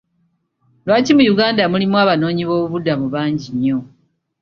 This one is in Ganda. Lwaki mu Uganda mulimu abanoonyi b'obubuddamu bangi nnyo.